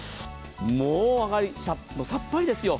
もうさっぱりですよ。